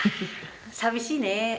寂しいね。